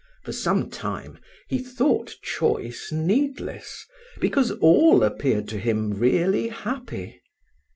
For some time he thought choice needless, because all appeared to him really happy.